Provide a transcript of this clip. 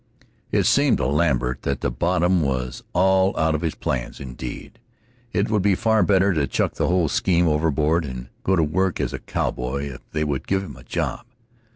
It seemed to Lambert that the bottom was all out of his plans, indeed. It would be far better to chuck the whole scheme overboard and go to work as a cowboy if they would give him a job.